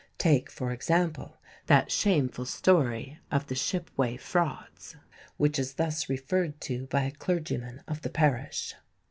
Take, for example, that shameful story of the "Shipway frauds," which is thus referred to by a clergyman of the parish.